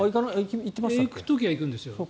行く時は行くんですよ。